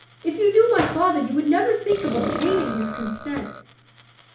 If you knew my father you would never think of obtaining his consent.